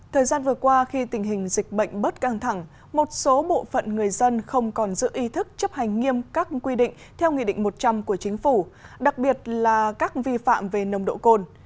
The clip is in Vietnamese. thời gian vừa qua khi tình hình dịch bệnh bớt căng thẳng một số bộ phận người dân không còn giữ ý thức chấp hành nghiêm các quy định theo nghị định một trăm linh của chính phủ đặc biệt là các vi phạm về nồng độ cồn